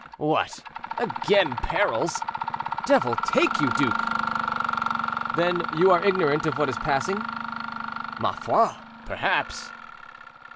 "What! again perils; devil take you, duke." "Then you are ignorant of what is passing?" "Ma foi, perhaps."